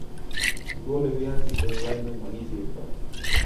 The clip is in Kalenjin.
Kikole viazik eng' lainwek makisertoi